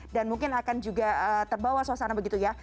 dan mungkin akan juga terbawa suasana begitu ya